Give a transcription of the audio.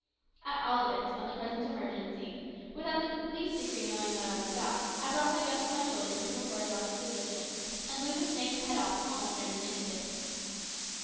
At all events, on the present emergency, without in the least degree knowing what I was about, I brought my gun from my shoulder into a horizontal position, and blew the snake's head off almost in an instant.